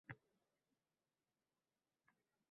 Boshqa misol.